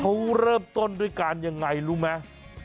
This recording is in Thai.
เขาเริ่มต้นด้วยการยังไงรู้ไหม